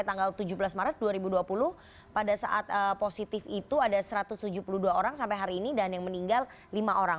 tanggal tujuh belas maret dua ribu dua puluh pada saat positif itu ada satu ratus tujuh puluh dua orang sampai hari ini dan yang meninggal lima orang